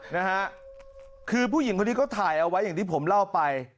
นะฮะคือผู้หญิงคนนี้เขาถ่ายเอาไว้อย่างที่ผมเล่าไป